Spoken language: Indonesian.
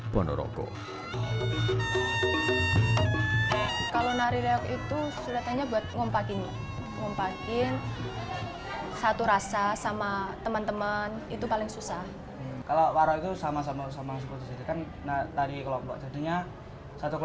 pakai kayak barbelan gitu